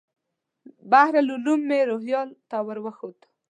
بحر العلوم مې روهیال ته ور وښود.